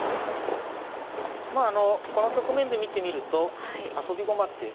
まああのこの局面で見てみるとあそび駒って。